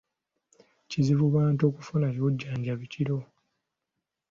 Kizibu bantu kufuna bujjanjabi kiro.